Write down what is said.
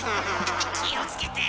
気を付けて！